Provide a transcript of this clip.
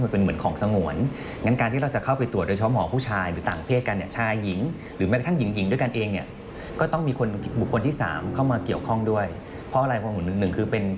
เพราะฉะนั้นก็ต้องใส่ตรงนี้